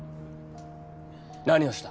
何をした。